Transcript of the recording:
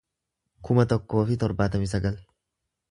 kuma tokkoo fi torbaatamii sagal